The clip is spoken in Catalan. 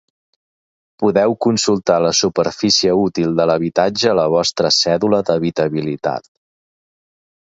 Podeu consultar la superfície útil de l'habitatge a la vostra cèdula d'habitabilitat.